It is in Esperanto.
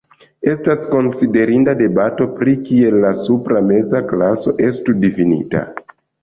Estas konsiderinda debato pri kiel la supra meza klaso estu difinita.